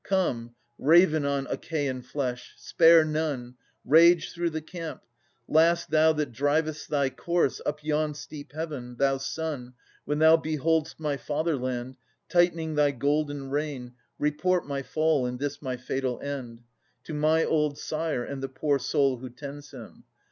Come, ravin on Achaean flesh — spare none ; Rage through the camp !— Last, thou that driv'st thy course Up yon steep Heaven, thou Sun, when thou behold'st My fatherland, tightening thy golden rein, Report my fall, and this my fatal end. To my old sire, and the poor sotil who tends him.